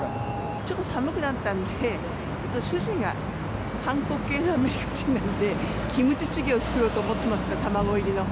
ちょっと寒くなったんで、主人が韓国系のアメリカ人なんで、キムチチゲを作ろうと思ってます、卵入りの。